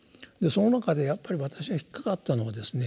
その中でやっぱり私が引っ掛かったのはですね